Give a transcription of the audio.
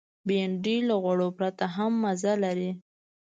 بېنډۍ له غوړو پرته هم مزه لري